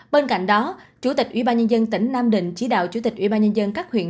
bên cạnh đó chủ tịch ủy ban nhân dân tỉnh nam định chỉ đạo chủ tịch ủy ban nhân dân các huyện